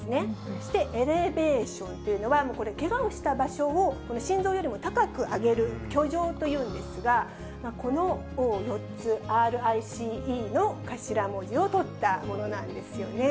そしてＥｌｅｖａｔｉｏｎというのは、これ、けがをした場所を、心臓よりも高く上げる、挙上というんですが、この４つ、Ｒ、Ｉ、Ｃ、Ｅの頭文字を取ったものなんですよね。